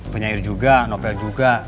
penyair juga novel juga